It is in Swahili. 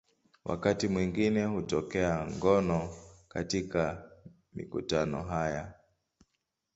Wakati mwingine hutokea ngono katika mikutano haya.